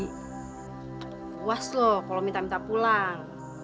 puas loh kalau minta minta pulang